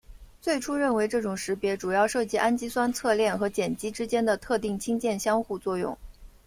最初认为这种识别主要涉及氨基酸侧链和碱基之间的特定氢键相互作用。